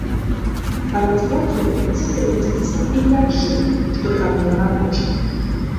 Разгортваю дзе прыйдзецца і гляджу, што трапіла на вочы.